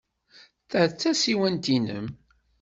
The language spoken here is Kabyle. Ta d tasiwant-nnem?